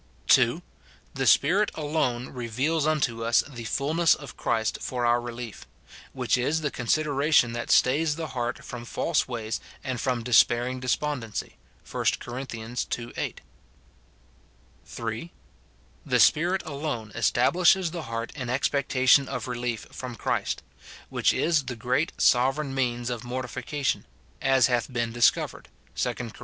(2.) The Spirit alone reveals unto us the fulness of Christ for our relief; which is the consideration that stays the heart from false ways and from despairing despondency, 1 Cor. ii. 8. (3.) The Spirit alone establishes the heart in expecta tion of relief from Christ ; which is the great sovereign means of mortification, as hath been discovered, 2 Cor.